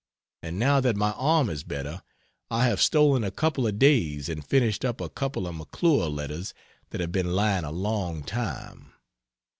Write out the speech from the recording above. And now that my arm is better, I have stolen a couple of days and finished up a couple of McClure letters that have been lying a long time.